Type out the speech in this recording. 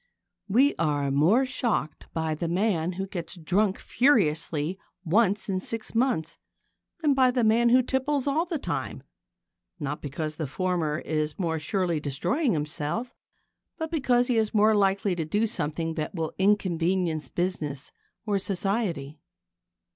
We are more shocked by the man who gets drunk furiously once in six months than by the man who tipples all the time, not because the former is more surely destroying himself, but because he is more likely to do something that will inconvenience business or society.